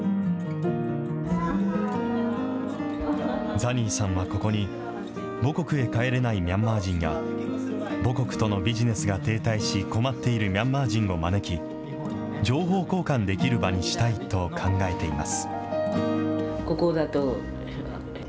ザニーさんはここに母国へ帰れないミャンマー人や、母国とのビジネスが停滞し困っているミャンマー人を招き、情報交換できる場にしたいと考えています。